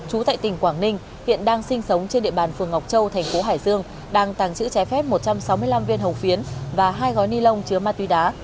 chú tại tỉnh quảng ninh hiện đang sinh sống trên địa bàn phường ngọc châu thành phố hải dương đang tàng trữ trái phép một trăm sáu mươi năm viên hồng phiến và hai gói ni lông chứa ma túy đá